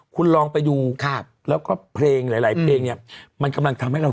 คุณลองไปดูครับแล้วก็เพลงหลายหลายเพลงเนี่ยมันกำลังทำให้เรา